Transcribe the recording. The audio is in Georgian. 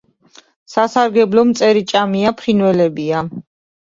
სასარგებლო მწერიჭამია ფრინველებია.